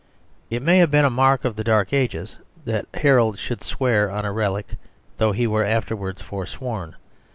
It may have been a mark of the Dark Ages that Harold should swear on a relic, though he were afterwards fore sworn.